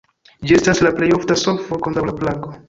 Ĝi estas la plej ofta solvo kontraŭ la plago.